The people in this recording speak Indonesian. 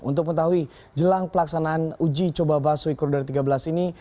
untuk mengetahui jelang pelaksanaan uji coba busway koridor tiga belas ini